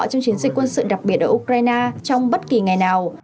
trong chiến dịch quân sự đặc biệt ở ukraine trong bất kỳ ngày nào